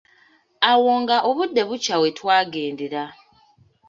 Awo nga obudde bukya wetwagendera.